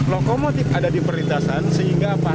lokomotif ada di perlintasan sehingga apa